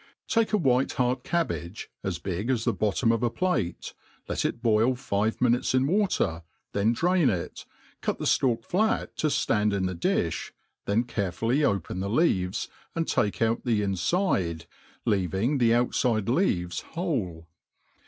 TAKE a white heart cabbage, as btg as the bottom of a plate, let it boil five minutes in water, then drain it, cut the ftalk flat to fiand in the difh, then carefully open the leaves, and take out the infide, leaving the outfide leaves whole.